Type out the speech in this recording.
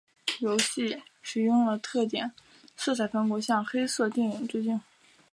游戏使用了特点鲜明的色彩风格来向黑色电影致敬。